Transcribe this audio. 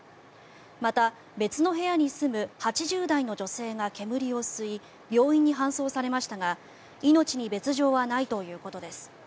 また、別の部屋に住む８０代の女性が煙を吸い病院に搬送されましたが命に別条はないということです。